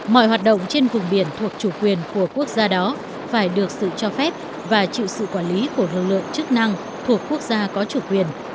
mọi hoạt động trên vùng biển thuộc chủ quyền của quốc gia đó phải được sự cho phép và chịu sự quản lý của lực lượng chức năng thuộc quốc gia có chủ quyền